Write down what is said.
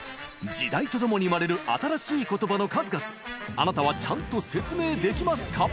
時代とともに生まれる新しい言葉の数々あなたはちゃんと説明できますか？